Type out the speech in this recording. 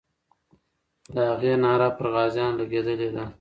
د هغې ناره پر غازیانو لګېدلې ده.